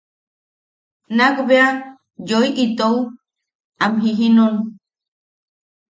Nakbea yoi itou amjijinun.